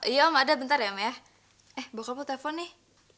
iya om ada bentar ya me eh bawa kapal telepon nih